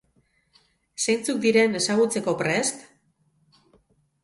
Zeintzuk diren ezagutzeko prest?